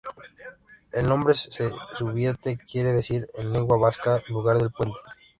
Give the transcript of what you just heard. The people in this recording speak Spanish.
El nombre de Zubieta quiere decir, en lengua vasca, "lugar del puente".